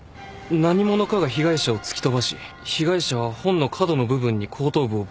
何者かが被害者を突き飛ばし被害者は本の角の部分に後頭部をぶつけて死亡した。